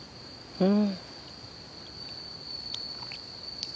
うん。